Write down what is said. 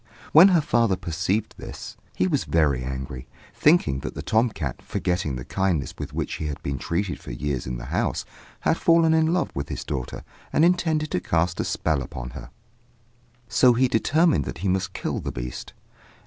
When her father perceived this, he was very angry, thinking that the tom cat, forgetting the kindness with which he had been treated for years in the house, had fallen in love with his daughter, and intended to cast a spell upon her; so he determined that he must kill the beast.